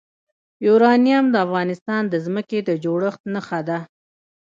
یورانیم د افغانستان د ځمکې د جوړښت نښه ده.